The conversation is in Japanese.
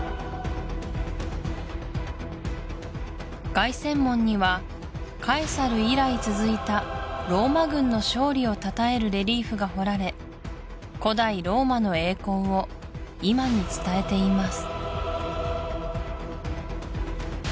凱旋門にはカエサル以来続いたローマ軍の勝利をたたえるレリーフが彫られ古代ローマの栄光を今に伝えています